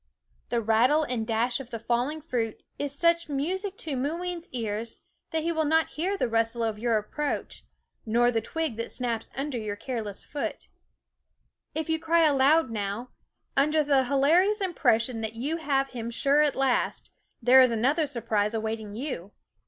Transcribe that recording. The rattle and dash of the falling fruit is such music to THE WOODS Mooween's ears that he will not hear the rustle of your approach, nor the twig that snaps under your careless foot. If you cry aloud now, under the hilarious impression that you have him sure at last, there is another surprise awaiting you.